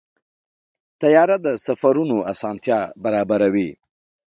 طیاره د سفرونو اسانتیا برابروي.